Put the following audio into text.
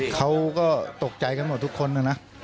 เขาก็ตกใจกันหมดทุกคนนะนะ